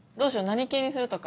何系にするとか。